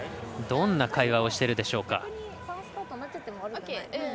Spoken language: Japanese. どんな会話をしてるでしょうか。